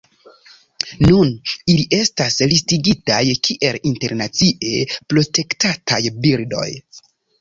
Nun ili estas listigitaj kiel internacie protektataj birdoj.